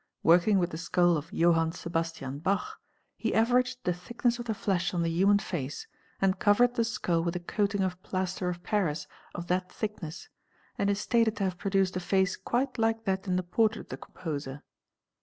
Working with the skull of Johann Sebastian Bach he averaged the thickness of the flesh on the human face and covered the skull with a coating of plaster of Paris of that _ thickness, and is stated to have oe a face quite like that in the por trait of the composer.